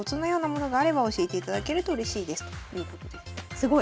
すごい。